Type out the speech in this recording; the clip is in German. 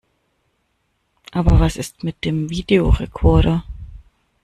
Aber was ist mit dem Videorekorder?